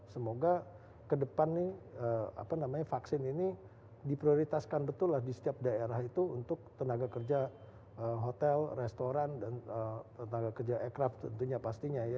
semoga ke depan nih apa namanya vaksin ini diprioritaskan betul lah di setiap daerah itu untuk tenaga kerja hotel restoran dan tenaga kerja aircraf tentunya pastinya ya